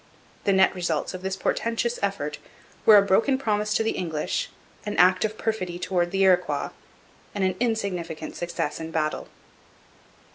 The net results of this portentous effort were a broken promise to the English, an act of perfidy towards the Iroquois, and an insignificant success in battle.